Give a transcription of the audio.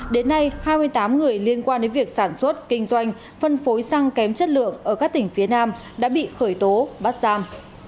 đến nay hai mươi tám người liên quan đến việc sản xuất kinh doanh phân phối xăng kém chất lượng ở các tỉnh phía nam đã bị khởi tố bắt giam